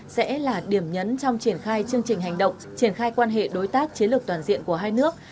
sẽ là điểm nhấn trong triển khai chương trình hành động triển khai quan hệ đối tác chiến lược toàn diện của hai nước